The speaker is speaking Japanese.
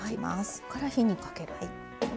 ここから火にかける。